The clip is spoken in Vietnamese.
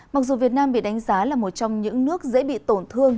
mặc dù việt nam bị đánh giá là một trong những nước dễ bị tổn thương